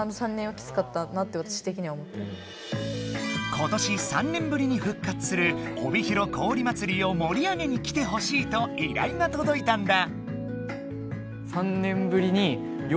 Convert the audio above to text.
今年３年ぶりに復活する「おびひろ氷まつり」をもり上げに来てほしいといらいが届いたんだ。